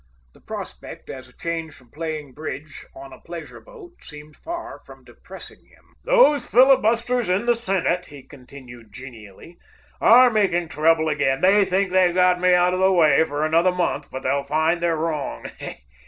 The prospect, as a change from playing bridge on a pleasure boat, seemed far from depressing him. "Those filibusters in the Senate," he continued genially, "are making trouble again. They think they've got me out of the way for another month, but they'll find they're wrong.